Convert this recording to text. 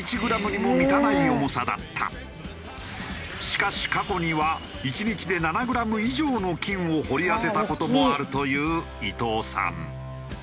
しかし過去には１日で７グラム以上の金を掘り当てた事もあるという伊藤さん。